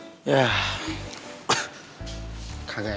ken gimana keadaan lu